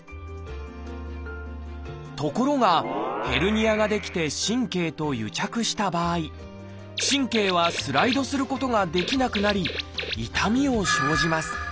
ところがヘルニアが出来て神経と癒着した場合神経はスライドすることができなくなり痛みを生じます。